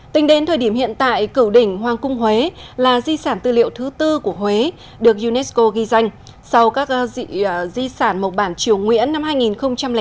tính đến thời điểm hiện tại cửu đỉnh hoàng cung huế là di sản tư liệu thứ tư của huế được unesco ghi danh sau các di sản mộc bản triều nguyễn năm hai nghìn tám